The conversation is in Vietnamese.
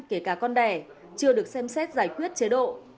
kể cả con đẻ chưa được xem xét giải quyết chế độ